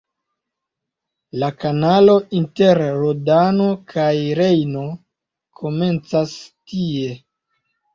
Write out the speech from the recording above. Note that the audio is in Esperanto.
La kanalo inter Rodano kaj Rejno komencas tie.